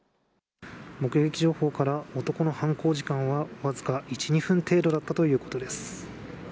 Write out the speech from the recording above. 目撃情報から、男の犯行時間は僅か１、２分程度だったということです。